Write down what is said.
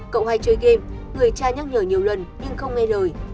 cộng hay chơi game người cha nhắc nhở nhiều lần nhưng không nghe lời